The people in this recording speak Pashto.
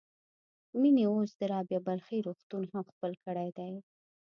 مينې اوس د رابعه بلخي روغتون هم خپل کړی دی.